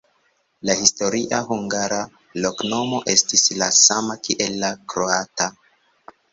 La historia hungara loknomo estis la sama kiel la kroata.